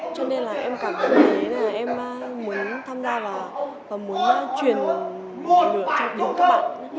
cho nên là em cảm thấy là em muốn tham gia và muốn truyền lượng cho các bạn